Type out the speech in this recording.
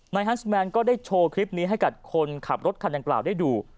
ฮันส์แมนก็ได้โชว์คลิปนี้ให้กับคนขับรถคันดังกล่าวได้ดู